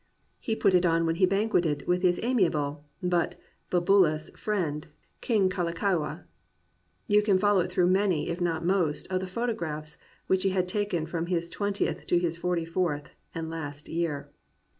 He put it on when he banqueted with his amiable but bibulous friend. King Kalakaua. You can follow it through many, if not most, of the pho tographs which he had taken from his twentieth to his forty fourth, and last, year.